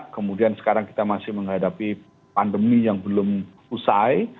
kemudian sekarang kita masih menghadapi pandemi yang belum usai